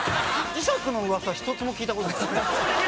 磁石の噂一つも聞いた事ない。